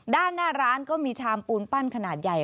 ด้านหน้าร้านก็มีชามปูนปั้นขนาดใหญ่